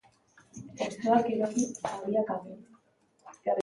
Hostoak erori, habiak ageri.